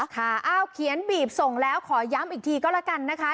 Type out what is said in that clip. อ้าวเขียนบีบส่งแล้วขอย้ำอีกทีก็แล้วกันนะคะ